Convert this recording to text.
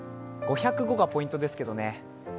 ５０５がポイントですけどね。